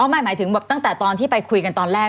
หมายถึงแบบตั้งแต่ตอนที่ไปคุยกันตอนแรก